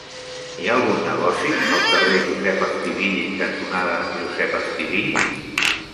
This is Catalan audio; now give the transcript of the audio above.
Hi ha algun negoci al carrer Josep Estivill cantonada Josep Estivill?